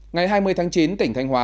ngày hai mươi tháng chín tỉnh thanh hóa